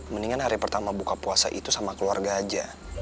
mendingan hari pertama buka puasa itu sama keluarga aja